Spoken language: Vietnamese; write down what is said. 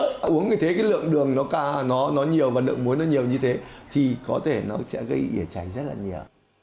nếu như thế cái lượng đường nó ca nó nhiều và lượng muối nó nhiều như thế thì có thể nó sẽ gây ỉa chảy rất là nhiều